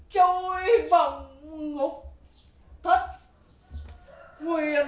trôi vòng ngục thất